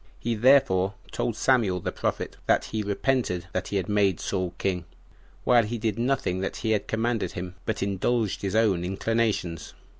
He therefore told Samuel the prophet, that he repented that he had made Saul king, while he did nothing that he had commanded him, but indulged his own inclinations.